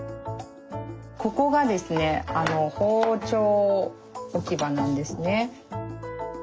ここがですね包丁置き場なんですね。